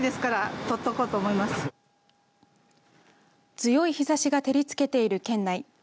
強い日ざしが照りつけている県内